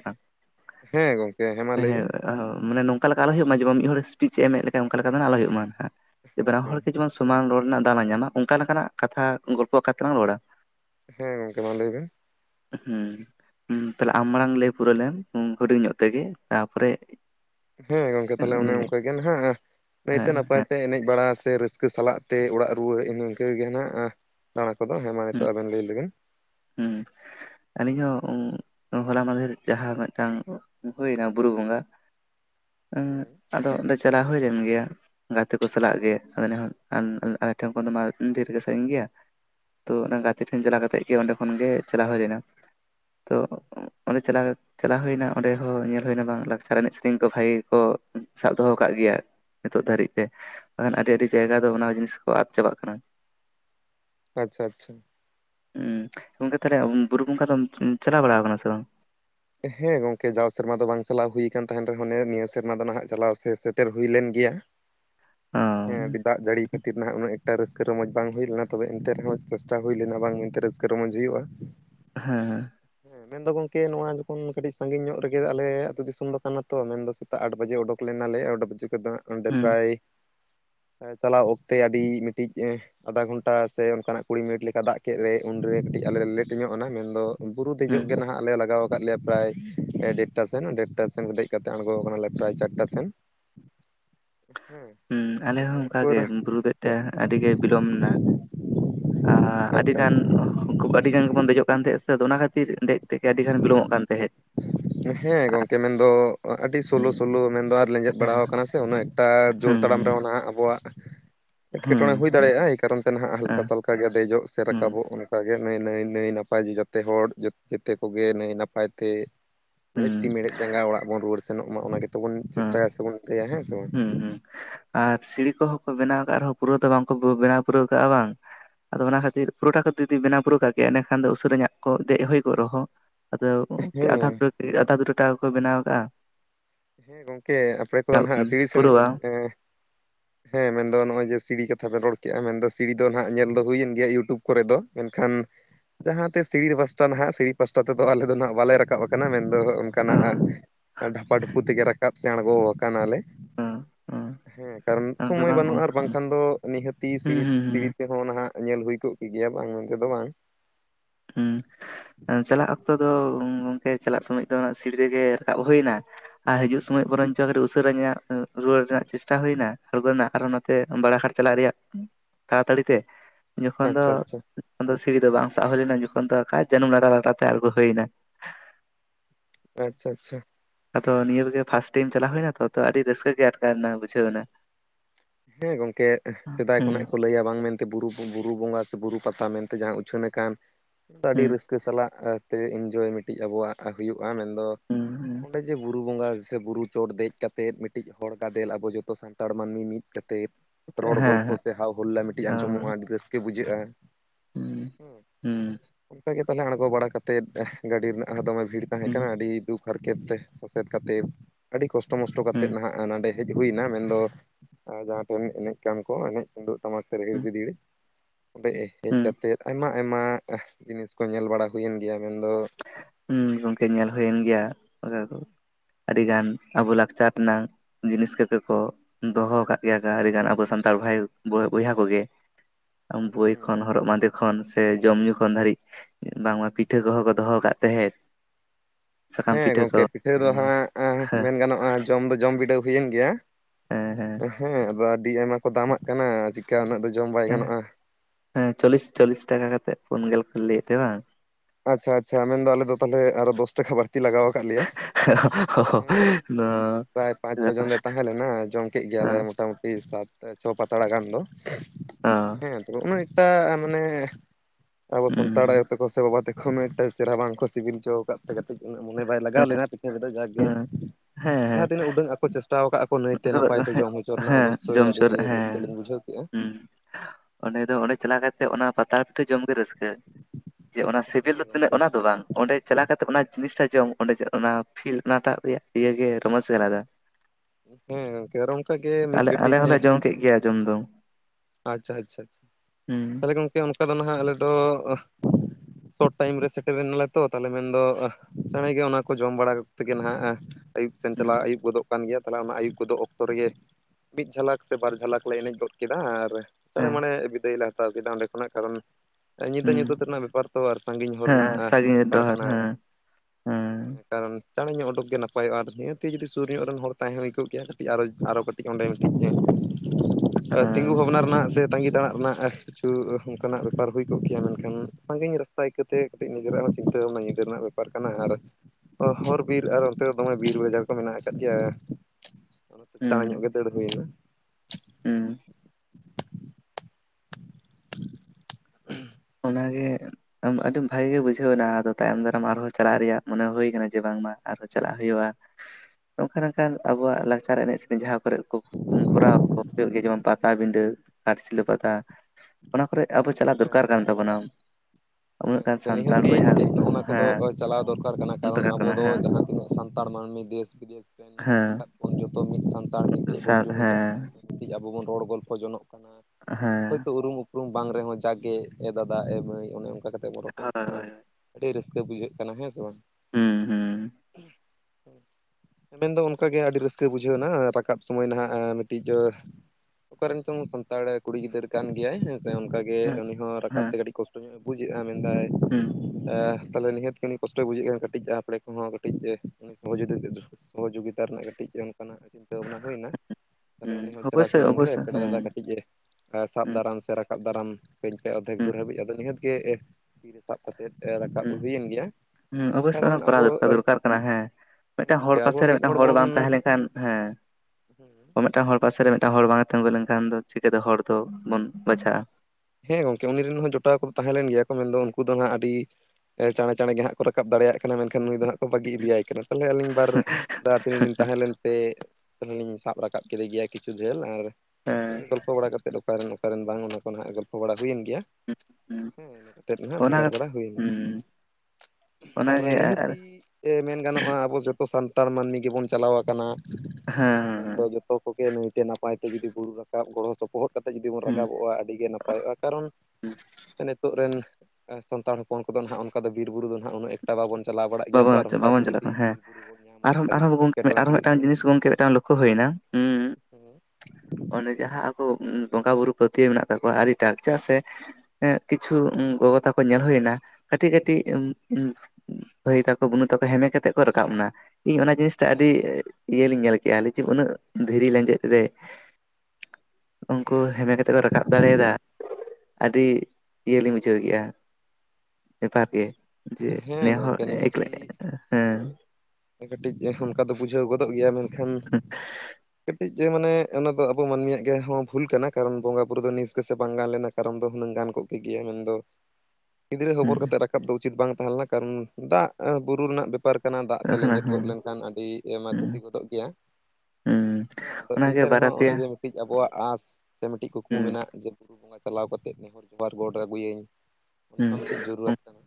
ᱦᱮᱸ ᱜᱚᱝᱠᱮ ᱦᱮᱸ ᱢᱟ ᱞᱟᱹᱭ ᱵᱤᱱ᱾ ᱢᱟᱱᱮ ᱱᱚᱝᱠᱟ ᱞᱮᱠᱟ ᱟᱞᱚ ᱦᱩᱭᱩᱜ ᱢᱟ ᱡᱮᱢᱚᱱ ᱢᱤᱫ ᱦᱚᱲ ᱤᱥᱯᱤᱪ ᱮ ᱮᱢᱮᱫ ᱞᱮᱠᱟᱭ ᱚᱱᱠᱟ ᱞᱮᱠᱟ ᱫᱚ ᱱᱟᱦᱟᱜ ᱟᱞᱚ ᱦᱩᱭᱩᱜ ᱢᱟ ᱱᱟᱦᱟᱜ᱾ ᱡᱮ ᱦᱮᱸ ᱵᱟᱱᱟ ᱦᱮᱸ ᱦᱚᱲ ᱜᱮ ᱡᱮᱢᱚᱱ ᱥᱚᱢᱟᱱ ᱨᱚᱲ ᱨᱮᱱᱟᱜ ᱫᱟᱣ ᱞᱟᱝ ᱧᱟᱢᱟ, ᱚᱱᱠᱟ ᱞᱮᱠᱟᱱᱟᱜ ᱠᱟᱛᱷᱟ ᱜᱚᱞᱯᱚ ᱟᱠᱟᱨ ᱛᱮᱞᱟᱝ ᱨᱚᱲᱟ᱾ ᱦᱮᱸ ᱜᱚᱝᱠᱮ ᱢᱟ ᱞᱟᱹᱭ ᱵᱮᱱ᱾ ᱦᱩᱸ᱾ ᱦᱩᱸ ᱛᱟᱦᱚᱞᱮ ᱟᱢ ᱢᱟᱲᱟᱝ ᱞᱟᱹᱭ ᱯᱩᱨᱟᱹᱣ ᱞᱮᱢ ᱦᱩᱸ ᱦᱩᱰᱤᱧ ᱧᱚᱜ ᱛᱮᱜᱮ ᱛᱟᱯᱚᱨᱮ ᱦᱮᱸ ᱜᱚᱝᱠᱮ ᱛᱟᱦᱚᱞᱮ ᱤᱧ ᱚᱱᱮ ᱞᱟᱹᱭ ᱚᱱᱠᱟ ᱜᱮ ᱱᱟᱦᱟᱜ, ᱱᱟᱹᱭᱛᱮ ᱦᱮᱸ ᱱᱟᱯᱟᱭ ᱦᱮᱸ ᱛᱮ ᱮᱱᱮᱡ ᱵᱟᱲᱟ ᱥᱮ ᱨᱟᱹᱥ ᱠᱟᱹ ᱥᱟᱞᱟᱜ ᱛᱮ ᱚᱲᱟᱜ ᱨᱩᱣᱟᱹᱲ ᱤᱱᱟᱹ ᱤᱱᱤᱝᱠᱟᱹ ᱜᱮ ᱱᱟᱦᱟᱜ, ᱫᱟᱬᱟ ᱠᱚᱫᱚ᱾ ᱦᱮᱸ ᱢᱟ ᱦᱩᱸ ᱱᱤᱛᱚᱜ ᱟᱵᱮᱱ ᱞᱟᱹᱭ ᱞᱮᱵᱮᱱ? ᱦᱩᱸ᱾ ᱟᱹᱞᱤᱧ ᱦᱚᱸ ᱦᱚᱞᱟ ᱢᱟᱦᱫᱷᱮᱨ ᱡᱟᱦᱟᱸ ᱢᱤᱫᱴᱟᱝ ᱦᱩᱭᱱᱟ ᱵᱩᱨᱩ ᱵᱚᱸᱜᱟ, ᱟᱸ ᱟᱫᱚ ᱚᱸᱰᱮ ᱪᱟᱞᱟᱣ ᱦᱩᱭ ᱞᱮᱱ ᱜᱮᱭᱟ. ᱜᱟᱛᱮ ᱠᱚ ᱥᱟᱞᱟᱜ ᱜᱮ [inaudible] ᱟᱞᱮ ᱴᱷᱮᱱ ᱠᱷᱚᱱ ᱫᱚ ᱢᱟ ᱰᱷᱮᱨ ᱜᱮ ᱥᱟᱺᱜᱤᱧ ᱜᱮᱭᱟ, ᱛᱚ ᱚᱱᱟ ᱜᱟᱛᱮ ᱴᱷᱮᱱ ᱪᱟᱞᱟᱣ ᱠᱟᱛᱮᱫ ᱜᱮ ᱚᱸᱰᱮ ᱠᱷᱚᱱᱜᱮ ᱪᱟᱞᱟᱣ ᱦᱩᱭ ᱞᱮᱱᱟ᱾ ᱛᱚ, ᱚᱸᱰᱮ ᱪᱟᱞᱟᱣ ᱪᱟᱞᱟᱣ ᱦᱩᱭᱱᱟ ᱚᱸᱰᱮ ᱦᱚᱸ ᱧᱮᱞ ᱦᱩᱭᱱᱟ ᱵᱟᱝ ᱞᱟᱠᱪᱟᱨ ᱮᱱᱮᱡᱻ ᱥᱮᱨᱮᱧ ᱠᱚ ᱵᱷᱟᱹᱜᱤ ᱠᱚ ᱥᱟᱵ ᱫᱚᱦᱚ ᱟᱠᱟᱫ ᱜᱮᱭᱟ ᱱᱤᱛᱚᱜ ᱫᱷᱟᱹᱨᱤᱡ ᱛᱮ, ᱵᱟᱠᱷᱟᱱ ᱟᱹᱰᱤ ᱟᱹᱰᱤ ᱡᱟᱭᱜᱟ ᱫᱚ ᱚᱱᱟ ᱡᱤᱱᱤᱥ ᱠᱚ ᱟᱫ ᱪᱟᱵᱟᱜ ᱠᱟᱱᱟ᱾ ᱟᱪᱪᱷᱟ ᱟᱪᱪᱷᱟ᱾ ᱩᱸ ᱜᱚᱝᱠᱮ ᱛᱟᱦᱚᱞᱮ ᱵᱩᱨᱩ ᱵᱚᱸᱜᱟ ᱫᱚᱢ ᱪᱟᱞᱟᱣ ᱵᱟᱲᱟᱣ ᱠᱟᱱᱟ ᱥᱮ ᱵᱟᱝ? ᱦᱮᱸ ᱜᱚᱝᱠᱮ ᱡᱟᱣ ᱥᱮᱨᱢᱟ ᱫᱚ ᱵᱟᱝ ᱪᱟᱞᱟᱣ ᱦᱩᱭ ᱠᱟᱱ ᱛᱟᱦᱮᱱ ᱨᱮᱦᱚᱸ ᱚᱱᱮ ᱱᱤᱭᱟᱹ ᱥᱮᱨᱢᱟ ᱫᱚ ᱱᱟᱦᱟᱜ ᱪᱟᱞᱟᱣ ᱥᱮ ᱥᱮᱴᱮᱨ ᱦᱩᱭ ᱞᱮᱱ ᱜᱮᱭᱟ, ᱚ ᱦᱮᱸ ᱟᱹᱰᱤ ᱫᱟᱜ ᱡᱟᱹᱲᱤ ᱠᱷᱟᱹᱛᱤᱨ ᱱᱟᱦᱟᱜ ᱩᱱᱟᱹᱜ ᱮᱴᱟ ᱨᱟᱹᱥᱠᱟᱹ ᱨᱚᱢᱚᱡᱽ ᱵᱟᱝ ᱦᱩᱭ ᱞᱮᱱᱟ ᱛᱚᱵᱮ ᱮᱱᱛᱮ ᱨᱮᱦᱚᱸ ᱪᱮᱥᱴᱟ ᱦᱩᱭ ᱞᱮᱱᱟ ᱵᱟᱝ ᱢᱮᱱᱛᱮ ᱨᱟᱹᱥᱠᱟᱹ ᱨᱚᱢᱚᱡᱽ ᱦᱩᱭᱩᱜᱼᱟ᱾ ᱦᱮᱸ ᱦᱮᱸ᱾ ᱦᱮᱸ ᱢᱮᱱ ᱫᱚ ᱜᱚᱝᱠᱮ ᱱᱚᱣᱟ ᱠᱷᱚᱱ ᱠᱟᱹᱴᱤᱡ ᱥᱟᱺᱜᱤᱧ ᱧᱚᱜ ᱨᱮᱜᱮ ᱟᱞᱮ ᱟᱛᱩ ᱫᱤᱥᱚᱢ ᱫᱚ ᱠᱟᱱᱟ ᱛᱚ ᱢᱮᱱᱫᱚ ᱥᱮᱛᱟᱜ ᱟᱴ ᱵᱟᱡᱮ ᱚᱰᱚᱠ ᱞᱮᱱᱟᱞᱮ ᱟᱴ ᱵᱟᱡᱮ ᱠᱷᱚᱡ ᱫᱚ ᱦᱟᱸᱜ ᱚᱸᱰᱮ ᱦᱩᱸ ᱯᱨᱟᱭ ᱮᱸ ᱪᱟᱞᱟᱣ ᱚᱠᱛᱮ ᱟᱹᱰᱤ ᱢᱤᱫᱴᱤᱡ ᱟᱫᱷᱟ ᱜᱷᱚᱱᱴᱟ ᱥᱮ ᱚᱱᱠᱟᱱᱟᱜ ᱠᱩᱲᱤ ᱢᱤᱱᱤᱴ ᱞᱮᱠᱟ ᱫᱟᱜ ᱠᱮᱫ ᱨᱮᱭ ᱩᱱ ᱨᱮ ᱠᱟᱹᱴᱤᱡ ᱟᱞᱮ ᱞᱮ ᱞᱮᱴ ᱧᱚᱜᱱᱟ ᱢᱮᱱᱫᱚ ᱵᱩᱨᱩ ᱦᱩᱸ ᱫᱮᱡᱚᱜ ᱜᱮ ᱱᱟᱦᱟᱜ ᱞᱮ ᱞᱟᱜᱟᱣ [unintelligible] ᱞᱮᱭᱟ ᱯᱨᱟᱭ ᱰᱮᱴᱴᱟ ᱥᱮᱱ ᱰᱮᱴᱴᱟ ᱥᱮᱱ ᱫᱮᱡ ᱠᱟᱛᱮ ᱟᱬᱜᱚ ᱟᱠᱟᱱᱟᱞᱮ ᱯᱨᱟᱭ ᱪᱟᱨᱴᱟ ᱥᱮᱱ [unintelligible] ᱦᱮᱸ ᱟᱞᱮ ᱦᱚᱸ ᱚᱱᱠᱟ ᱮᱨᱯᱚᱨ ᱜᱮ ᱵᱩᱨᱩ ᱫᱮᱡ ᱛᱮ ᱦᱟᱸᱜ ᱟᱹᱰᱤ ᱜᱮ ᱵᱤᱞᱚᱢ ᱮᱱᱟ᱾ ᱟᱻ ᱟᱪᱪᱷᱟ ᱟᱹᱰᱤᱜᱟᱱ ᱟᱪᱪᱷᱟ ᱟᱹᱰᱤᱜᱟᱱ ᱜᱮᱵᱚᱱ ᱫᱮᱡᱚᱜ ᱠᱟᱱ ᱛᱟᱦᱮᱫ ᱥᱮ ᱚᱱᱟ ᱠᱷᱟᱹᱛᱤᱨ ᱫᱮᱡᱼᱼ ᱛᱮ ᱜᱮ ᱟᱹᱰᱤ ᱜᱟᱱ ᱵᱤᱞᱚᱢᱚᱜ ᱠᱟᱱ ᱛᱟᱦᱮᱸᱫ ᱦᱮᱸ ᱜᱚᱝᱠᱮ ᱢᱮᱱ ᱫᱚ ᱟᱹᱰᱤ ᱥᱚᱞᱚ ᱦᱩᱸ ᱥᱚᱞᱚ ᱢᱮᱱ ᱫᱚ ᱟᱨ ᱞᱮᱸᱡᱮᱫ ᱦᱮᱸ ᱵᱟᱲᱟᱣ ᱠᱟᱱᱟ ᱥᱮᱼᱼ ᱩᱱᱟᱹᱜ ᱮᱠᱴᱟ ᱡᱚᱨ ᱦᱩᱸ ᱛᱟᱲᱟᱢ ᱨᱮ ᱚᱱᱟ ᱟᱵᱚᱣᱟᱜᱼᱼ ᱦᱩᱸ ᱮᱴᱠᱮᱴᱚᱬᱮ ᱦᱩᱭ ᱦᱩᱸ ᱫᱟᱲᱮᱼᱟ ᱮᱭ ᱠᱟᱨᱚᱱ ᱛᱮ ᱱᱟᱦᱟᱜ ᱦᱮᱸ ᱦᱟᱞᱠᱟᱼᱥᱟᱞᱠᱟ ᱜᱮ ᱫᱮᱡᱚᱜ ᱥᱮ ᱦᱩᱸ ᱨᱟᱠᱟᱵᱚᱜ ᱚᱱᱠᱟ ᱜᱮ ᱱᱟᱭ ᱱᱟᱹᱭ ᱱᱟᱹᱭ ᱱᱟᱯᱟᱭ ᱡᱚᱛᱚ ᱦᱚᱲ ᱡᱮᱛᱮ ᱠᱚ ᱜᱮ ᱱᱟᱹᱭ ᱱᱟᱯᱟᱭ ᱛᱮᱼᱼ ᱦᱩᱸ ᱢᱮᱬᱦᱮᱫ ᱛᱤ ᱢᱮᱬᱦᱮᱫ ᱡᱟᱸᱜᱟ ᱚᱲᱟᱜ ᱵᱚᱱ ᱨᱩᱣᱟᱹᱲ ᱥᱮᱱᱚᱜ ᱢᱟ ᱚᱱᱟ ᱜᱮᱛᱚ ᱵᱚᱱ ᱦᱮᱸ ᱪᱮᱥᱴᱟᱭᱟ ᱥᱮᱵᱚᱱ ᱞᱟᱹᱭᱟ ᱦᱮᱸ ᱥᱮ ᱵᱟᱝᱼᱼ ᱦᱩᱸ ᱦᱩᱸ ᱟᱨ ᱥᱤᱲᱤ ᱠᱚᱦᱚᱸ ᱠᱚ ᱵᱮᱱᱟᱣ ᱟᱠᱟᱜ ᱨᱮᱦᱚᱸ ᱯᱩᱨᱟᱹ ᱫᱚ ᱵᱟᱝ ᱠᱚ ᱵᱮᱱᱟᱣ ᱯᱩᱨᱟᱹᱣ ᱠᱟᱜᱼᱟ ᱵᱟᱝᱼᱼ ᱟᱫᱚ ᱚᱱᱟ ᱠᱷᱟᱹᱛᱤᱨ ᱯᱩᱨᱚᱴᱟ ᱠᱚ ᱡᱩᱫᱤ ᱵᱮᱱᱟᱣ ᱯᱩᱨᱟᱹ ᱠᱟᱜ ᱠᱮᱭᱟ ᱮᱸᱰᱮ ᱠᱷᱟᱱ ᱫᱚ ᱩᱥᱟᱹᱨᱟ ᱧᱟ ᱠᱚ ᱫᱮᱡ ᱦᱩᱭ ᱠᱚᱜ ᱨᱮ ᱦᱚᱸ ᱟᱫᱚ ᱟᱫᱷᱟ ᱦᱮᱸ ᱟᱫᱷᱟ ᱫᱩᱴ [unintelligible] ᱠᱚ ᱵᱮᱱᱟᱣ ᱟᱠᱟᱜᱼᱟ ᱦᱮᱸ ᱜᱚᱢᱠᱮ ᱟᱯᱲᱮ ᱠᱚᱫᱚ ᱦᱟᱸᱜ ᱥᱤᱲᱤ ᱥᱮᱱ ᱯᱩᱨᱟᱹᱣᱟ ᱮᱼᱼ ᱦᱮᱸ ᱢᱮᱱ ᱫᱚ ᱱᱚᱜᱼᱚᱭ ᱡᱮ ᱥᱤᱲᱤ ᱠᱟᱛᱷᱟ ᱵᱮᱱ ᱨᱚᱲ ᱠᱮᱫᱮᱜᱼᱟ ᱢᱮᱱ ᱫᱚ ᱥᱤᱲᱤ ᱫᱚ ᱱᱟᱜ ᱧᱮᱞ ᱫᱚ ᱦᱩᱭᱮᱱ ᱜᱮᱭᱟ ᱤᱭᱩᱴᱩᱵᱽ ᱠᱚᱨᱮ ᱫᱚ ᱢᱮᱱᱠᱷᱟᱱᱼᱼ ᱡᱟᱦᱟᱸ ᱛᱮ ᱥᱤᱲᱤ [unintelligible] ᱱᱟᱦᱟᱜ ᱥᱤᱲᱤ ᱯᱟᱥᱴᱟ ᱛᱮᱫ ᱟᱞᱮ ᱫᱚ ᱱᱟᱦᱟᱜ ᱵᱟᱞᱮ ᱨᱟᱠᱟᱵᱼᱼ ᱨᱟᱠᱟᱵ ᱟᱠᱟᱱᱟ ᱢᱮᱱ ᱫᱚ ᱚᱱᱠᱟᱱᱟᱜ ᱰᱷᱟᱯᱟ ᱰᱩᱯᱩ ᱛᱮᱜᱮ ᱨᱟᱠᱟᱵ ᱥᱮ ᱟᱬᱜᱚ ᱟᱠᱟᱱᱟ ᱞᱮᱼᱼ ᱦᱮᱸ ᱠᱟᱨᱚᱱ ᱦᱚᱸ ᱫᱚ ᱥᱚᱢᱚᱭ ᱵᱟᱹᱱᱩᱜᱼᱟ ᱦᱩᱸ ᱟᱨ ᱵᱟᱝ ᱠᱷᱟᱱ ᱫᱚ ᱱᱤᱦᱟᱹᱛᱤ ᱦᱩᱸ [unintelligible] ᱛᱮ ᱦᱚᱸ ᱱᱟᱦᱟᱜ ᱧᱮᱞ ᱦᱩᱭ ᱠᱚᱜ ᱜᱮᱭᱟ ᱵᱟᱝ ᱢᱮᱱ ᱛᱮᱫ ᱫᱚ ᱵᱟᱝ ᱦᱩᱸ ᱪᱟᱞᱟᱜ ᱚᱠᱛᱚ ᱫᱚ ᱜᱚᱝᱠᱮ ᱪᱟᱞᱟᱜ ᱥᱚᱢᱚᱭ ᱫᱚ ᱥᱤᱲᱤ ᱛᱮ ᱜᱮ ᱨᱟᱠᱟᱵ ᱦᱩᱭᱱᱟ ᱟᱨ ᱦᱤᱡᱩᱜ ᱥᱚᱢᱚᱭ ᱵᱚᱨᱚᱱᱼᱼ [unintelligible] ᱩᱥᱟᱹᱨᱟᱧᱟᱜ ᱨᱩᱣᱟᱹᱲ ᱨᱮᱱᱟᱜ ᱪᱮᱥᱴᱟ ᱦᱩᱭᱱᱟ ᱨᱩᱣᱟᱹᱲ ᱨᱮᱱᱟᱜ ᱟᱨᱦᱚᱸ ᱱᱚᱛᱮ ᱵᱟᱲᱟ ᱜᱷᱟᱴ ᱪᱟᱞᱟᱜ ᱨᱮᱭᱟᱜᱼᱼ ᱛᱟᱲᱟ ᱛᱟᱲᱤ ᱛᱮᱼᱼ ᱡᱚᱠᱷᱚᱱ ᱫᱚ ᱟᱪᱪᱷᱟ ᱟᱪᱪᱷᱟ ᱛᱚᱠᱷᱚᱱ ᱫᱚ ᱥᱤᱲᱤ ᱫᱚ ᱵᱟᱝ ᱥᱟᱵ ᱦᱩᱭ ᱞᱮᱱᱟ ᱡᱚᱠᱷᱚᱱ ᱫᱚ ᱠᱟᱡ ᱡᱟᱹᱱᱩᱢ ᱞᱟᱴᱟ ᱞᱟᱴᱟ ᱛᱮ ᱟᱬᱜᱚ ᱦᱩᱭᱱᱟ᱾ ᱟᱪᱪᱷᱟ ᱟᱪᱪᱷᱟᱼᱼ ᱟᱫᱚ ᱱᱤᱭᱟᱹ ᱨᱮᱜᱮ ᱯᱷᱟᱥᱴ ᱴᱟᱭᱤᱢ ᱪᱟᱞᱟᱣ ᱦᱩᱭᱱᱟ ᱛᱚ ᱛᱚ ᱟᱹᱰᱤ ᱨᱟᱹᱥᱠᱟᱹ ᱜᱮ ᱟᱴᱠᱟᱨ ᱮᱱᱟ ᱵᱩᱡᱷᱟᱹᱣ ᱮᱱᱟ ᱦᱮᱸ ᱜᱚᱝᱠᱮ ᱥᱮᱫᱟᱭ ᱦᱩᱸ ᱠᱷᱚᱱᱟᱜ ᱠᱚ ᱞᱟᱹᱭᱟ ᱵᱟᱝ ᱢᱮᱱᱼᱼ ᱵᱩᱨᱩ ᱵᱩᱨᱩ ᱵᱚᱸᱜᱟ ᱥᱮ ᱵᱩᱨᱩ ᱯᱟᱛᱟ ᱢᱮᱱ ᱛᱮ ᱡᱟᱦᱟᱸ ᱩᱪᱷᱟᱹᱱ ᱟᱠᱟᱱ ᱟᱹᱰᱤ ᱦᱩᱸ ᱨᱟᱹᱥᱠᱟᱹᱼᱼ ᱨᱟᱹᱥᱠᱟᱹ ᱥᱟᱞᱟᱜ ᱛᱮ ᱤᱱᱡᱚᱭ ᱢᱤᱫᱴᱤᱡ ᱟᱵᱚᱣᱟᱜ ᱦᱩᱭᱩᱜᱼᱟ ᱢᱮᱱᱫᱚ ᱦᱩᱸ ᱦᱩᱸ ᱚᱸᱰᱮ ᱡᱮ ᱵᱩᱨᱩ ᱵᱚᱸᱜᱟᱼᱼ ᱥᱮ ᱵᱩᱨᱩ ᱪᱚᱴ ᱫᱮᱡ ᱠᱟᱛᱮᱫ ᱢᱤᱫᱴᱤᱡ ᱦᱚᱲ ᱜᱟᱫᱮᱞ ᱟᱵᱚ ᱡᱚᱛᱚ ᱥᱟᱱᱛᱟᱲ ᱢᱟᱹᱱᱢᱤ ᱢᱤᱫ ᱠᱟᱛᱮᱫᱼᱼ ᱨᱚᱲ ᱜᱚᱞᱯᱚ ᱦᱮᱸ ᱥᱮ ᱦᱟᱣ ᱦᱩᱞᱞᱟ ᱢᱤᱫᱴᱤᱡ ᱟᱸᱡᱚᱢᱚᱜᱼᱟ ᱦᱮᱸ ᱟᱹᱰᱤ ᱨᱟᱹᱥᱠᱟᱹ ᱵᱩᱡᱷᱟᱹᱜᱼᱟ ᱦᱩᱸ ᱦᱩᱸ ᱚᱱᱠᱟ ᱜᱮ ᱛᱟᱞᱦᱮ ᱟᱬᱜᱚ ᱵᱟᱲᱟ ᱠᱟᱛᱮᱜ ᱜᱟᱹᱰᱤ ᱨᱮᱱᱟᱜ ᱦᱚᱸ ᱫᱚᱢᱮᱼᱼ ᱵᱷᱤᱲ ᱛᱟᱦᱮᱸ ᱦᱩᱸ ᱠᱟᱱᱟ ᱟᱹᱰᱤ ᱫᱩᱠ ᱦᱟᱨᱠᱮᱛ ᱛᱮ ᱥᱟᱥᱮᱛ ᱠᱟᱛᱮᱫ ᱟᱹᱰᱤ ᱠᱚᱥᱴᱚ ᱢᱚᱥᱴᱚ ᱦᱩᱸ ᱠᱟᱛᱮᱫ ᱱᱟᱦᱟᱜᱼᱼ ᱱᱚᱰᱮ ᱦᱮᱡ ᱦᱩᱭᱱᱟ ᱢᱮᱱ ᱫᱚ ᱡᱟᱦᱟᱸ ᱴᱷᱮᱱ ᱮᱱᱮᱡ ᱠᱟᱱ ᱠᱚ ᱮᱱᱮᱡᱼᱼ ᱛᱩᱢᱫᱟᱹᱜ ᱴᱟᱢᱟᱠ ᱥᱮ [unintelligible] ᱦᱤᱲᱵᱤᱫᱤᱲ ᱚᱸᱰᱮ ᱦᱮᱡ ᱦᱩᱸ ᱠᱟᱛᱮᱫ ᱟᱭᱢᱟ ᱟᱭᱢᱟ ᱡᱤᱱᱤᱥ ᱠᱚ ᱧᱮᱞ ᱵᱟᱲᱟ ᱦᱩᱭᱮᱱ ᱜᱮᱭᱟ ᱢᱮᱱ ᱫᱚᱼᱼ ᱦᱮᱸ ᱜᱚᱝᱠᱮ ᱧᱮᱞ ᱦᱩᱭ ᱮᱱ ᱜᱮᱭᱟ [unintelligible] ᱟᱹᱰᱤᱜᱟᱱ ᱟᱵᱚ ᱞᱟᱠᱪᱟᱨ ᱱᱟᱝ ᱡᱤᱱᱤᱥ ᱠᱚ ᱜᱮ ᱠᱚᱼᱼ ᱫᱚᱦᱚ ᱟᱠᱟᱫ ᱜᱮᱭᱟ ᱟᱹᱰᱤᱜᱟᱱ ᱟᱵᱚ ᱥᱟᱱᱛᱟᱲ ᱵᱷᱟᱭ ᱵᱚᱭᱦᱟ ᱠᱚ ᱜᱮᱼᱼ ᱵᱳᱭ ᱠᱷᱚᱱ ᱦᱚᱨᱚᱜ ᱵᱟᱸᱫᱮ ᱠᱷᱚᱱ ᱥᱮ ᱡᱚᱢ ᱧᱩ ᱠᱷᱚᱱ ᱫᱷᱟᱹᱨᱤᱡ ᱵᱟᱝᱢᱟ ᱯᱤᱴᱷᱟᱹ ᱠᱚᱦᱚᱸ ᱠᱚᱼᱼ ᱫᱚᱦᱚ ᱠᱟᱜ ᱛᱟᱦᱮᱸᱫ ᱥᱟᱠᱟᱢ ᱦᱮᱸ ᱠᱚ ᱜᱚᱢᱠᱮ ᱯᱤᱴᱷᱟᱹ ᱫᱚ ᱦᱮᱸ ᱦᱟᱸᱜ ᱢᱮᱱ ᱜᱟᱱᱚᱜᱼᱟ ᱡᱚᱢ ᱫᱚ ᱡᱚᱢ ᱵᱤᱰᱟᱹᱣ ᱦᱩᱭ ᱮᱱ ᱜᱮᱭᱟ ᱦᱮᱸ ᱦᱮᱸᱼᱼ ᱦᱮᱸ ᱟᱫᱚ ᱟᱹᱰᱤ ᱟᱭᱢᱟ ᱠᱚ ᱫᱟᱢᱟᱜ ᱠᱟᱱᱟ ᱪᱮᱠᱟ ᱩᱱᱟᱹᱜ ᱫᱚ ᱡᱚᱢ ᱵᱟᱭ ᱜᱟᱱᱚᱜᱼᱟ ᱦᱮᱸ ᱪᱚᱞᱞᱤᱥ ᱪᱚᱞᱞᱤᱥ ᱴᱟᱠᱟ ᱠᱟᱛᱮ ᱯᱩᱱ ᱜᱮᱞ ᱠᱚ ᱞᱟᱹᱭ ᱮᱫ ᱛᱮ ᱵᱟᱝᱼᱼ ᱟᱪᱪᱷᱟ ᱟᱪᱪᱷᱟ ᱢᱮᱱᱫᱚ ᱟᱞᱮ ᱫᱚ ᱛᱟᱦᱚᱞᱮ ᱟᱨᱚ ᱫᱚᱥ ᱴᱟᱠᱟ ᱵᱟᱹᱲᱛᱤ ᱞᱟᱜᱟᱣ ᱠᱟᱫ ᱞᱮᱭᱟ ᱦᱮᱸ ᱯᱨᱟᱭ ᱯᱟᱸᱪ ᱪᱷᱚ ᱡᱚᱱ ᱞᱮ ᱛᱟᱦᱮᱸᱞᱮᱱᱟ ᱡᱚᱢ ᱠᱮᱫ ᱜᱮᱭᱟᱞᱮ ᱢᱚᱴᱟᱢᱩᱴᱤ ᱥᱟᱛ ᱪᱷᱚ ᱯᱟᱛᱲᱟ ᱜᱟᱱ ᱫᱚ ᱦᱮᱸ ᱛᱚᱵᱮ ᱩᱱᱟᱹᱜ ᱮᱠᱴᱟ ᱢᱟᱱᱮ ᱟᱵᱚ ᱥᱟᱱᱛᱟᱲ ᱟᱭᱳ ᱛᱟᱠᱚ ᱥᱮ ᱵᱟᱵᱟ ᱛᱟᱠᱚ ᱦᱚᱸ ᱩᱱᱟᱹᱜ ᱮᱠᱴᱟ ᱪᱮᱦᱨᱟ ᱵᱟᱝᱠᱚ ᱥᱤᱵᱤᱞ ᱦᱚᱪᱚᱣ ᱠᱟᱫ ᱴᱤᱡ ᱩᱱᱟᱹᱜ ᱢᱚᱱᱮ ᱵᱟᱭ ᱞᱟᱜᱟᱣ ᱦᱮᱸ ᱞᱮᱱᱟ ᱯᱤᱪᱷᱟᱹ ᱨᱮᱫᱚ ᱡᱟᱜᱜᱮ ᱡᱟᱦᱟᱸ ᱦᱮᱸ ᱛᱤᱱᱟᱹᱜ ᱩᱰᱟᱹᱝ ᱟᱠᱚ ᱪᱮᱥ ᱦᱟᱛᱟᱣ ᱠᱟᱫ ᱠᱚ ᱱᱟᱹᱭᱛᱮ ᱱᱟᱯᱟᱭ ᱛᱮ ᱡᱚᱢ ᱦᱚᱪᱚ ᱨᱮᱱᱟᱜ ᱦᱮᱸ ᱚᱵᱚᱥᱥᱳᱭ ᱡᱚᱢ ᱟᱹᱰᱤ ᱪᱚ ᱨᱟᱹᱥᱠᱟᱹ ᱦᱮᱸ ᱞᱤᱧ ᱵᱩᱡᱷᱟᱹᱣ ᱠᱮᱫᱼᱟ ᱦᱩᱸ ᱚᱸᱰᱮ ᱫᱚ ᱚᱸᱰᱮ ᱪᱟᱞᱟᱣ ᱠᱟᱛᱮᱜ ᱚᱱᱟ ᱯᱟᱛᱲᱟ ᱯᱤᱴᱷᱟᱹ ᱡᱚᱢ ᱜᱮ ᱨᱟᱹᱥᱠᱟᱹ ᱡᱮ ᱚᱱᱟ ᱥᱮᱵᱮᱞ ᱫᱚ ᱦᱮᱸ ᱛᱤᱱᱟᱹᱜ ᱜᱚᱝᱠᱮ ᱚᱱᱟ ᱫᱚ ᱵᱟᱝ ᱚᱸᱰᱮ ᱪᱟᱞᱟᱣ ᱠᱟᱛᱮᱜ ᱚᱱᱟ ᱡᱤᱱᱤᱥᱴᱟ ᱡᱚᱢ ᱚᱸᱰᱮ ᱚᱱᱟ ᱯᱷᱤᱞ ᱚᱱᱟᱴᱟᱜ ᱨᱮᱭᱟᱜ ᱤᱭᱟᱹᱜᱮ ᱨᱚᱢᱚᱡᱽ ᱜᱮ ᱟᱞᱟᱫᱟ ᱦᱮᱸ ᱜᱚᱝᱠᱮ ᱟᱨ ᱚᱱᱠᱟ ᱜᱮ ᱢᱤᱫ ᱟᱞᱮ ᱟᱞᱮ ᱦᱚᱸᱞᱮ ᱜᱟᱹᱴᱤᱡ, ᱡᱚᱢ ᱠᱮᱫ ᱜᱮᱭᱟ ᱡᱚᱢ ᱫᱚ ᱟᱪᱪᱷᱟ ᱟᱪᱪᱷᱟ ᱦᱩᱸ ᱟ ᱜᱚᱢᱠᱮ ᱚᱱᱠᱟ ᱫᱚ ᱱᱟᱦᱟᱸᱜ ᱟᱞᱮᱫᱚ ᱥᱚᱴ ᱴᱟᱭᱤᱢ ᱨᱮ ᱥᱮᱴᱮᱨᱱᱟᱞᱮ ᱛᱚ ᱛᱟᱦᱚᱞᱮ ᱢᱮᱱᱫᱚ ᱪᱟᱲᱮᱜᱮ ᱚᱱᱟ ᱠᱚ ᱡᱚᱢ ᱵᱟᱲᱟᱛᱜᱮ ᱱᱟᱦᱟᱸᱜ ᱟᱹᱭᱩᱵ ᱥᱮᱱ ᱦᱩᱸ ᱪᱟᱞᱟᱣ ᱟᱹᱭᱩᱵ ᱜᱚᱫᱚᱜ ᱠᱟᱱ ᱜᱮᱭᱟ ᱛᱟᱦᱚᱞᱮ ᱚᱱᱟ ᱟᱹᱭᱩᱵ ᱜᱚᱫᱚᱜ ᱚᱠᱛᱚ ᱨᱮᱜᱮ ᱢᱤᱫ ᱡᱷᱟᱞᱟᱠ ᱥᱮ ᱵᱟᱨ ᱡᱷᱟᱞᱟᱠ ᱞᱮ ᱮᱱᱮᱡ ᱜᱚᱫ ᱠᱮᱫᱟ ᱟᱨ ᱪᱟᱲᱮ ᱦᱮᱸ ᱢᱟᱲᱮ ᱵᱤᱫᱟᱹᱭ ᱞᱮ ᱦᱟᱛᱟᱣ ᱠᱮᱫᱟ ᱚᱸᱰᱮ ᱠᱷᱚᱱᱟᱜ ᱠᱟᱨᱚᱱ ᱧᱤᱫᱟᱹ ᱦᱩᱸ ᱧᱩᱛᱟᱹᱛ ᱨᱮᱱᱟᱜ ᱵᱮᱯᱟᱨ ᱛᱚ ᱟᱨ ᱥᱟᱺᱜᱤᱧ ᱦᱚᱨ ᱨᱮᱱᱟᱜ ᱦᱮᱸ ᱥᱟᱺᱜᱤᱧ ᱵᱮᱯᱟᱨ ᱰᱚᱦᱟᱨ ᱠᱟᱱᱟ ᱦᱮᱸ ᱦᱮᱸ ᱠᱟᱨᱚᱱ ᱪᱟᱬᱮ ᱧᱚᱜ ᱩᱰᱩᱜ ᱜᱮ ᱱᱟᱯᱟᱭᱚᱜᱼᱟ ᱟᱨ ᱱᱤᱦᱟᱹᱛᱤ ᱡᱩᱫᱩ ᱥᱩᱨ ᱧᱚᱜ ᱨᱮᱱ ᱦᱚᱲ ᱛᱟᱦᱮᱸ ᱦᱩᱭᱠᱜ ᱠᱮᱭᱟ ᱠᱟᱹᱴᱤᱡ ᱟᱨ ᱟᱨᱚ ᱠᱟᱹᱴᱤᱡ ᱚᱸᱰᱮ ᱢᱤᱫᱴᱤᱡ ᱛᱤᱸᱜᱩ ᱦᱮᱸ ᱵᱷᱟᱵᱽᱱᱟ ᱨᱮᱱᱟᱜ ᱥᱮ ᱛᱟᱺᱜᱤ ᱛᱟᱲᱟᱜ ᱨᱮᱱᱟᱜ ᱠᱤᱪᱷᱩ ᱚᱱᱠᱟᱱᱟᱜ ᱵᱮᱯᱟᱨ ᱦᱩᱭ ᱠᱚᱜ ᱠᱮᱭᱟ ᱢᱮᱱᱠᱷᱟᱱ ᱥᱟᱺᱜᱤᱧ ᱨᱟᱥᱛᱟ ᱟᱹᱭ ᱠᱟᱛᱮ ᱠᱟᱹᱴᱤᱡ ᱱᱤᱡᱮᱨᱟᱜ ᱦᱚᱸ ᱪᱤᱱᱛᱟ ᱵᱷᱟᱵᱱᱟ ᱧᱤᱫᱟᱹ ᱨᱮᱱᱟᱜ ᱵᱮᱯᱟᱨ [unintelligible] ᱟᱨ ᱦᱚᱨ ᱵᱤᱨ ᱟᱨ ᱚᱱᱛᱮ ᱫᱚᱢᱮ ᱵᱤᱨ ᱜᱟᱡᱟᱲ ᱠᱚ ᱢᱮᱱᱟᱜ ᱟᱠᱟᱫ ᱜᱮᱭᱟ [unintelligible] ᱧᱚᱜ ᱜᱮ ᱫᱟᱹᱲ ᱦᱩᱭᱱᱟ ᱩᱸ [unintelligible] ᱚᱱᱟᱜᱮ ᱟᱹᱰᱤ ᱵᱷᱟᱜᱮ ᱜᱮ ᱵᱩᱡᱷᱟᱹᱣᱱᱟ ᱟᱫᱚ ᱛᱟᱭᱚᱢ ᱫᱟᱨᱟᱢ ᱟᱨᱦᱚᱸ ᱪᱟᱞᱟᱜ ᱨᱮᱭᱟᱜ ᱢᱚᱱᱮ ᱦᱳᱭ ᱠᱟᱱᱟ ᱡᱮ ᱵᱟᱝᱢᱟ ᱟᱨᱦᱚᱸ ᱪᱟᱞᱟᱜ ᱦᱩᱭᱩᱜᱼᱟ ᱚᱱᱠᱟ ᱞᱮᱠᱟᱱ ᱟᱵᱚᱣᱟᱜ ᱞᱟᱠᱟᱨ ᱮᱱᱮᱡ ᱥᱮᱨᱮᱧ ᱡᱟᱦᱟᱸ ᱠᱚᱨᱮ ᱠᱚ ᱠᱚᱨᱟᱣ-ᱟ ᱠᱚ ᱦᱩᱭᱩᱜ ᱜᱮᱭᱟ ᱡᱮᱢᱚᱱ ᱯᱟᱴᱟᱵᱤᱸᱫᱟᱹ ᱜᱷᱟᱴᱥᱤᱞᱟᱹ ᱯᱟᱛᱟ ᱚᱱᱟ ᱠᱚᱨᱮ ᱟᱵᱚ ᱪᱟᱞᱟᱜ ᱦᱮᱸ ᱫᱚᱨᱠᱟᱨ ᱠᱟᱱ ᱛᱟᱵᱚᱱᱟ ᱦᱮᱸ ᱩᱱᱟᱹᱜ ᱜᱟᱱ ᱜᱚᱝᱠᱮ ᱥᱟᱱᱛᱟᱲ ᱱᱤᱦᱟᱹᱛᱤ ᱵᱚᱭᱦᱟ ᱱᱚᱜᱼᱱᱟ ᱠᱚᱫᱚ ᱦᱮᱸ ᱪᱟᱞᱟᱣ ᱫᱚᱨᱠᱟᱨ ᱠᱟᱱᱟ ᱠᱟᱨᱚᱱ ᱫᱚᱨᱠᱟᱨ ᱟᱵᱚ ᱠᱟᱱᱟ ᱫᱚ ᱦᱮᱸ ᱡᱟᱦᱟᱸ ᱛᱤᱱᱟᱹᱜ ᱥᱟᱱᱛᱟᱲ ᱢᱟᱹᱱᱢᱤ ᱫᱮᱥ ᱵᱤᱫᱮᱥ ᱨᱮᱱ ᱢᱮᱱᱟᱜ ᱦᱮᱸ ᱟᱠᱟᱫ ᱵᱚᱱ ᱡᱚᱛᱚ ᱢᱤᱫ ᱥᱟᱱᱛᱟᱲ ᱢᱤᱫᱴᱷᱮᱱ ᱵᱚᱱ ᱥᱟᱱ ᱡᱩᱢᱤᱫᱚᱜ ᱠᱟᱱᱟ ᱦᱮᱸ ᱠᱟᱹᱡ ᱟᱵᱚ ᱵᱚᱱ ᱨᱚᱲ ᱜᱚᱞᱯᱷᱚ ᱡᱚᱱᱚᱜ ᱠᱟᱱᱟ, ᱦᱮᱸ ᱦᱚᱳᱭᱛᱳ ᱩᱨᱩᱢ ᱩᱯᱨᱩᱢ ᱵᱟᱝ ᱨᱮᱦᱚᱸ ᱡᱟᱜᱜᱮ ᱮ ᱫᱟᱫᱟ ᱮ ᱵᱷᱟᱹᱭ ᱚᱱᱮ ᱚᱱᱠᱟ ᱠᱟᱛᱮᱫ ᱵᱚᱱ ᱨᱚᱯᱚᱲ ᱦᱳᱭ ᱠᱟᱱᱟ ᱦᱳᱭ ᱟᱹᱰᱤ ᱨᱟᱹᱥᱠᱟᱹ ᱵᱩᱡᱷᱟᱹᱜ ᱠᱟᱱᱟ ᱦᱮᱸ ᱥᱮ ᱵᱟᱝ? ᱦᱮᱸ ᱦᱮᱸ ᱢᱮᱱᱫᱚ ᱚᱱᱠᱟᱜᱮ ᱟᱹᱰᱤ ᱨᱟᱹᱥᱠᱟᱹ ᱵᱩᱡᱷᱟᱹᱣᱱᱟ ᱨᱟᱠᱟᱵ ᱥᱚᱢᱚᱭ ᱱᱟᱦᱟᱸᱜ ᱢᱤᱫᱴᱤᱡ [unintelligible] ᱚᱠᱟᱨᱮᱱ ᱪᱚᱝ ᱥᱟᱱᱛᱟᱲ ᱠᱩᱲᱤ ᱜᱤᱫᱽᱟᱹᱨ ᱠᱟᱱ ᱜᱮᱭᱟᱭ ᱦᱮᱸ ᱥᱮ ᱚᱱᱠᱟ ᱜᱮ ᱦᱮᱸ ᱩᱱᱤ ᱦᱚᱸ ᱨᱟᱠᱟᱵ ᱦᱮᱸ ᱛᱮᱜᱮ ᱠᱟᱹᱴᱤᱡ ᱠᱚᱥᱴᱚ ᱧᱚᱜᱼᱮ ᱵᱩᱡᱽᱮᱜᱟ ᱢᱮᱱᱫᱟᱭ ᱦᱩᱸ ᱮ ᱛᱟᱦᱚᱞᱮ ᱱᱤᱦᱟᱹᱛ ᱜᱮ ᱩᱱᱤ ᱠᱚᱥᱴᱚᱭ ᱵᱩᱡᱷᱮᱫ ᱠᱟᱱ ᱠᱟᱹᱴᱤᱡᱟᱜ ᱟᱯᱲᱮ ᱠᱚᱦᱚᱸ ᱠᱟᱹᱴᱤᱡ ᱮ ᱩᱱᱤ ᱥᱚᱦᱚᱡᱩᱜᱤ [unintelligible] ᱥᱚᱦᱚᱡᱚᱜᱤᱛᱟ ᱨᱮᱱᱟᱜ ᱠᱟᱹᱴᱤᱡ ᱚᱱᱠᱟᱱᱟ ᱚᱱᱟ ᱦᱩᱭ ᱮᱱᱟ ᱛᱟᱦᱚᱞᱮ ᱦᱩᱸ ᱩᱱᱤ ᱦᱚᱸ ᱪᱮᱨᱦᱟ ᱚᱵᱚᱥᱥᱳᱭ ᱥᱟᱦᱤᱡ ᱢᱮᱱ ᱠᱮᱫᱟᱭ ᱚᱵᱚᱥᱥᱳᱭ ᱯᱮᱲᱟ ᱦᱩᱸ ᱫᱟᱫᱟ ᱠᱟᱹᱴᱤᱡ ᱮ ᱥᱟᱵ ᱦᱩᱸ ᱫᱟᱨᱟᱢ ᱥᱮ ᱨᱟᱠᱟᱵ ᱫᱟᱨᱟᱢ ᱠᱟᱹᱧ ᱯᱮ ᱚᱫᱷᱮᱠ ᱦᱩᱸ ᱫᱩᱨ ᱦᱟᱹᱵᱤᱡ ᱟᱫᱚ ᱱᱤᱦᱛᱜ ᱜᱮ ᱛᱤ ᱨᱮ ᱥᱟᱵ ᱠᱟᱛᱮᱫ ᱨᱟᱠᱟᱵ ᱦᱩᱸ ᱦᱩᱭᱮᱱ ᱜᱮᱭᱟ ᱦᱩᱸ ᱚᱵᱚᱥᱥᱳᱭ ᱠᱟᱨᱚᱱ ᱟᱵᱚ ᱦᱮᱸ ᱢᱤᱫᱴᱮᱱ ᱦᱚᱲ ᱜᱚᱝᱠᱮ ᱟᱵᱚ ᱯᱟᱥᱮ ᱨᱮ ᱢᱤᱫ ᱢᱤᱫᱴᱮᱱ ᱦᱚᱲ ᱵᱚᱱ ᱵᱟᱢ ᱛᱟᱦᱮᱸ ᱞᱮᱱᱠᱷᱟᱱ ᱦᱮᱸ ᱚᱵ ᱢᱤᱫᱴᱟᱝ ᱦᱚᱲ ᱯᱟᱥᱮ ᱨᱮ ᱢᱤᱫᱴᱟᱝ ᱦᱚᱲ ᱵᱟᱝ ᱮ ᱛᱤᱸᱜᱩ ᱞᱮᱱᱠᱷᱟᱱ ᱫᱚ ᱪᱤᱠᱟᱹᱛᱮ ᱦᱚᱲ ᱫᱚ ᱵᱚᱱ ᱵᱟᱪᱷᱟᱜ-ᱟ᱾ ᱦᱮᱸ ᱜᱚᱝᱠᱮ ᱩᱱ ᱨᱮᱱ ᱦᱚᱸ ᱡᱚᱴᱟᱣ ᱠᱚᱫᱚ ᱛᱟᱦᱮᱸ ᱞᱮᱱ ᱜᱮᱭᱟ ᱠᱚ ᱢᱮᱱᱫᱚ ᱩᱱᱠᱩ ᱫᱚ ᱦᱟᱜ ᱟᱹᱰᱤ ᱪᱟᱬᱮ ᱪᱟᱬᱮ ᱜᱮ ᱦᱟᱸᱜ ᱠᱚ ᱨᱟᱠᱟᱵ ᱫᱟᱲᱮᱭᱟᱜ ᱠᱟᱱᱟ ᱢᱮᱱᱠᱷᱟᱱ ᱱᱩᱭ ᱫᱚ ᱦᱟᱸᱜ ᱠᱚ ᱵᱟᱹᱜᱤ ᱤᱫᱤᱭᱟᱭ ᱠᱟᱱᱟ ᱛᱟᱦᱚᱞᱮ ᱟᱹᱞᱤᱧ ᱵᱟᱨ ᱨᱮ ᱫᱟ ᱛᱟᱹᱲᱤ ᱞᱤᱧ ᱛᱟᱦᱮᱸ ᱞᱮᱱ ᱛᱮ ᱩᱱᱤ ᱞᱤᱧ ᱥᱟᱵ ᱨᱟᱠᱟᱵ ᱠᱮᱫᱮ ᱜᱮᱭᱟ ᱠᱤᱪᱷᱩ ᱡᱷᱟᱹᱞ ᱟᱨ ᱦᱮᱸ ᱚᱮ ᱜᱚᱞᱯᱚ ᱵᱟᱲᱟ ᱠᱟᱛᱮᱫ ᱚᱠᱟᱨᱮᱱ ᱚᱠᱟᱨᱮᱱ ᱵᱟᱝ ᱚᱱᱟ ᱠᱚ ᱦᱟᱜ ᱜᱚᱞᱯᱚ ᱵᱟᱲᱟ ᱦᱩᱭᱮᱱ ᱜᱮᱭᱟ᱾ ᱦᱩᱸ ᱦᱮᱸ ᱤᱱᱟᱹ ᱠᱟᱛᱮᱫ ᱱᱟᱜ ᱚᱱᱟ ᱵᱷᱮᱜᱟᱨ ᱵᱟᱲᱟ ᱦᱩᱭᱱᱟ ᱦᱩᱸ ᱟᱨ ᱱᱤᱦᱟᱹᱛᱤ ᱢᱮᱱ ᱜᱟᱱᱚᱜ-ᱟ ᱟᱵᱚ ᱡᱚᱛᱚ ᱥᱟᱱᱛᱟᱲ ᱢᱟᱹᱱᱢᱤ ᱜᱮᱵᱚᱱ ᱪᱟᱞᱟᱣ ᱠᱟᱱᱟ ᱦᱮᱸ ᱦᱮᱸ ᱢᱮᱱᱫᱚ ᱡᱚᱛᱚ ᱠᱚᱜᱮ ᱱᱟᱭ ᱛᱮ ᱱᱟᱯᱟᱭ ᱛᱮ ᱡᱩᱫᱤ ᱵᱩᱨᱩ ᱨᱟᱠᱟᱵ ᱜᱚᱲᱚ ᱥᱚᱯᱚᱦᱚᱫ ᱠᱟᱛᱮ ᱡᱩᱫᱤ ᱵᱚᱱ ᱦᱮᱸ ᱨᱟᱠᱟᱵᱚᱜ-ᱟ ᱟᱹᱰᱤᱜᱮ ᱱᱟᱯᱟᱭᱚᱜ-ᱟ ᱠᱟᱨᱚᱱ ᱱᱤᱛᱚᱜ ᱨᱮᱱ ᱥᱟᱱᱛᱟᱲ ᱦᱚᱯᱚᱱ ᱠᱚᱫᱚ ᱱᱟᱦᱟᱜ ᱚᱱᱠᱟ ᱫᱚ ᱵᱤᱨ ᱵᱩᱨᱩ ᱫᱚ ᱱᱟᱦᱟᱜ ᱩᱱᱟᱹᱜ ᱮᱠᱴ ᱜᱚᱴᱟ ᱵᱟᱵᱚᱱ ᱪᱟᱞᱟᱣ ᱵᱟᱲᱟᱜ ᱜᱮᱭᱟ ᱵᱟᱵᱚᱱ ᱛᱚ ᱟᱨ ᱦᱚᱴᱟ ᱛᱮ ᱵᱟᱵᱚᱱ ᱪᱟᱞᱟᱜ ᱡᱩᱫᱤ ᱠᱟᱱᱟ ᱦᱮᱸ ᱵᱤᱨ ᱵᱩᱨᱩ ᱵᱚᱱ ᱧᱟᱢᱟ ᱟᱨᱦᱚᱸ ᱠᱟᱴᱤᱡ ᱮᱴᱠᱮᱴᱚᱬᱮ ᱦᱩᱭᱩᱜ ᱜᱮᱭᱟ᱾ ᱟᱜᱩ ᱦᱩᱭ ᱱᱟ ᱡᱮ [inaudible] ᱚᱱᱮ ᱡᱟᱦᱟᱸ ᱟᱠᱚ ᱵᱚᱸᱜᱟ ᱵᱩᱨᱩ ᱯᱟᱹᱛᱤᱭᱟᱹᱣ ᱢᱮᱱᱟᱜ ᱛᱟᱠᱚᱣᱟ ᱟᱹᱰᱤᱴᱟᱜ ᱪᱟᱜ ᱥᱮ ᱮᱜ ᱠᱤᱪᱷᱩ ᱜᱚᱜᱚ ᱛᱟᱠᱚ ᱧᱮᱞ ᱦᱩᱭᱱᱟ ᱠᱟᱹᱴᱤᱡ ᱠᱟᱹᱴᱤᱡ ᱢᱟᱭ ᱛᱟᱠᱚ ᱵᱩᱱᱩ ᱛᱟᱠᱚ ᱦᱮᱢᱮ ᱠᱟᱛᱮᱫ ᱠᱚ ᱨᱟᱠᱟᱵ ᱱᱟ᱾ ᱤᱧ ᱚᱱᱟ ᱡᱤᱱᱤᱥᱴᱟᱜ ᱟᱹᱰᱤ ᱤᱭᱟᱹ ᱞᱤᱧ ᱧᱮᱞ ᱠᱮᱜ-ᱟ ᱞᱤᱪᱤᱵ ᱩᱱᱟᱹᱜ ᱫᱷᱤᱨᱤ ᱞᱮᱸᱡᱮᱫ ᱨᱮ [inaudible] ᱩᱱᱠᱩ ᱦᱮᱢᱮ ᱠᱟᱛᱮᱫ ᱠᱚ ᱨᱟᱠᱟᱵ ᱫᱟᱲᱮ ᱭᱟᱫᱟ ᱟᱹᱰᱤ ᱤᱭᱟᱹᱞᱤᱧ ᱵᱩᱡᱷᱟᱹᱣ ᱠᱮᱫ-ᱟ ᱵᱮᱯᱟᱨ ᱜᱮ ᱡᱮ ᱱᱮᱦᱚᱨ ᱡᱮ ᱱᱤᱦᱟᱹᱛᱤ ᱦᱮᱸ ᱠᱟᱹᱴᱤᱡ ᱚᱱᱠᱟ ᱫᱚ ᱵᱩᱡᱷᱟᱹᱣ ᱜᱚᱫᱚᱜ ᱜᱮᱭᱟ, ᱢᱮᱱᱠᱷᱟᱱ ᱠᱟᱹᱴᱤᱡ ᱜᱮ ᱢᱟᱱᱮ ᱚᱱᱟᱫᱚ ᱟᱵᱚ ᱢᱟᱹᱱᱢᱤᱭᱟ ᱜᱮ ᱦᱚᱸ ᱵᱷᱩᱞ ᱠᱟᱱᱟ ᱠᱟᱨᱚᱱ ᱵᱚᱸᱜᱟ ᱵᱩᱨᱩ ᱫᱚ ᱱᱤᱥᱜᱮᱥᱮ ᱵᱟᱝ ᱜᱟᱱ ᱞᱮᱱᱟ ᱠᱟᱨᱚᱱ ᱫᱚ ᱦᱩᱱᱟᱹᱝ ᱜᱟᱱ ᱠᱚᱜ ᱜᱮᱭᱟ᱾ ᱢᱮᱱᱫᱚ ᱜᱤᱫᱽᱨᱟᱹ ᱦᱚᱵᱚᱨ ᱦᱩᱸ ᱠᱟᱛᱮ ᱨᱟᱠᱟᱵ ᱫᱚ ᱩᱪᱤᱛ ᱵᱟᱝ ᱛᱟᱦᱮᱸ ᱞᱮᱱᱟ ᱠᱟᱨᱚᱱ ᱫᱟᱜ ᱵᱩᱨᱩ ᱨᱮᱱᱟᱜ ᱵᱮᱯᱟᱨ ᱠᱟᱱᱟ ᱫᱟᱜ ᱛᱮ ᱞᱮᱸᱡᱮᱫ ᱦᱮᱸ ᱜᱚᱫ ᱞᱮᱱᱠᱷᱟᱱ ᱟᱹᱰᱤ ᱟᱭᱢᱟ ᱦᱩᱸ ᱠᱷᱚᱹᱛᱤ ᱜᱚᱫᱚᱜ ᱜᱮᱭᱟ᱾ ᱦᱩᱸ ᱦᱮᱸ ᱟᱫᱚ ᱚᱱᱟᱜᱮ ᱮᱱᱛᱮ ᱵᱟᱨᱭᱟ ᱨᱮᱦᱚᱸ ᱚᱱᱮ ᱯᱮᱭᱟ ᱡᱮ ᱢᱤᱫᱴᱤᱡ ᱟᱵᱚᱣᱟᱜ ᱟᱸᱥ ᱥᱮ ᱢᱤᱫᱴᱤᱡ ᱠᱩᱠᱢᱩ ᱦᱩᱸ ᱢᱮᱱᱟᱜ ᱡᱮ ᱵᱩᱨᱩ ᱵᱚᱸᱜᱟ ᱪᱟᱞᱟᱣ ᱠᱟᱛᱮᱫ ᱱᱮᱦᱚᱨ ᱡᱚᱦᱟᱨ ᱜᱚᱰ ᱟᱹᱜᱩᱭᱟᱹᱧ ᱚᱱᱟ ᱦᱩᱸ ᱦᱚᱸ ᱢᱤᱫᱴᱤᱡ ᱡᱚᱨᱩᱨᱟᱛ ᱠᱟᱱᱟ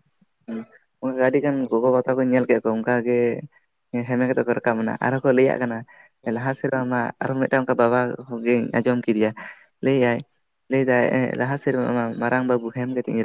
ᱦᱩᱸ ᱟᱹᱰᱤ ᱦᱮᱸ ᱜᱟᱱ ᱟᱨ ᱜᱚᱜᱚ ᱵᱟ ᱛᱟᱠᱚᱧ ᱧᱮᱞ ᱠᱮᱫ ᱚᱱᱠᱟ ᱜᱮ ᱦᱮᱢᱮ ᱠᱟᱛᱮ ᱠᱚ ᱨᱟᱠᱟᱵ ᱮᱱᱟ ᱟᱨᱦᱚᱸ ᱠᱚ ᱞᱟᱹᱭᱟᱜ ᱠᱟᱱᱟ ᱦᱮᱸ ᱞᱟᱦᱟ ᱥᱮᱫ ᱜᱚᱝᱠᱮ ᱦᱚᱸ ᱟᱢᱟᱜ ᱟᱨᱦᱚᱸ ᱢᱤᱫᱴᱟᱝ ᱚᱱᱠᱟ ᱵᱟᱵᱟ ᱦᱚᱜᱤᱧ ᱟᱸᱡᱚᱢ ᱠᱮᱫᱮᱭᱟ ᱞᱟᱹᱭᱟᱭ ᱞᱟᱹᱭᱫᱟᱭ ᱞᱟᱦᱟ ᱥᱮᱨᱢᱟ ᱢᱟᱨᱟᱝ ᱵᱟᱹᱵᱩ ᱦᱮᱢ ᱠᱮᱛᱮᱜ ᱤᱧ